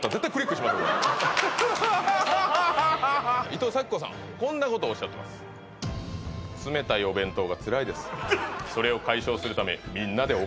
伊藤咲子さんこんなことをおっしゃってます社長！